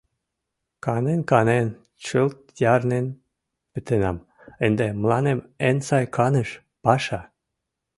«Канен-канен чылт ярнен пытенам, ынде мыланем эн сай каныш — паша.